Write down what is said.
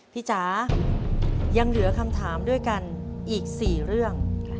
พี่จ๋ายังเหลือคำถามด้วยกันอีก๔ข้อ